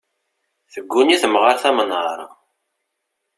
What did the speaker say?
Tegguni temɣart amnar.